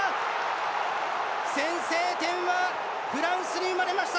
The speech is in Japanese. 先制点フランスに生まれました！